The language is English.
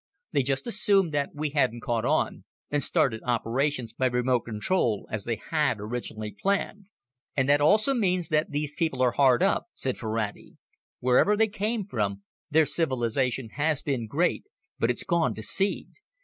They just assumed that we hadn't caught on, and started operations by remote control as they had originally planned." "And that also may mean that these people are hard up," said Ferrati. "Wherever they came from, their civilization has been great, but it's gone to seed.